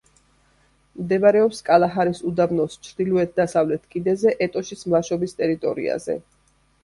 მდებარეობს კალაჰარის უდაბნოს ჩრდილოეთ-დასავლეთ კიდეზე, ეტოშის მლაშობის ტერიტორიაზე.